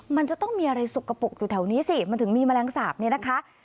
มันจะต้องมีอะไรสกปรกอยู่แถวนี้สิมันถึงมีแมลงสาปเนี่ยนะคะ